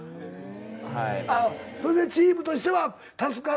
それでチームとしては助かるんだ。